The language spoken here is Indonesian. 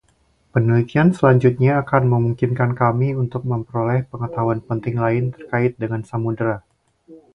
Penelitian selanjutnya akan memungkinkan kami untuk memperoleh pengetahuan penting lain terkait dengan samudra.